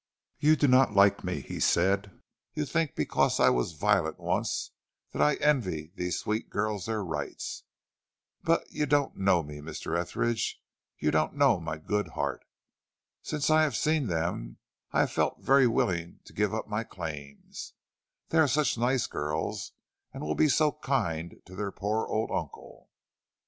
"You do not like me," he said. "You think because I was violent once that I envy these sweet girls their rights. But you don't know me, Mr. Etheridge; you don't know my good heart. Since I have seen them I have felt very willing to give up my claims, they are such nice girls, and will be so kind to their poor old uncle."